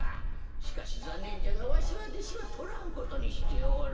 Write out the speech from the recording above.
しかしざんねんじゃがわしはでしはとらんことにしておる。